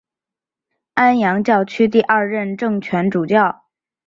安阳教区第二任正权主教。